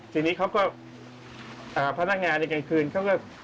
ทีนี้เขาก็พนักงานในกลางคืนเขาก็